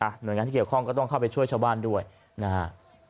หน่วยงานที่เกี่ยวข้องก็ต้องเข้าไปช่วยชาวบ้านด้วยนะฮะ